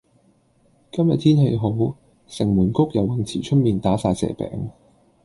今日天氣好，城門谷游泳池出面打晒蛇餅。